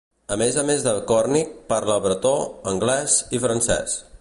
A més a més de còrnic, parla bretó, anglès i francès.